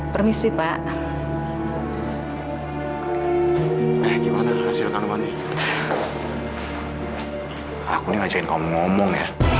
tiap jumat eksplosif di gtv